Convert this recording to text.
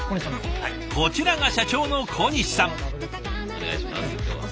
こちらが社長の小西さん。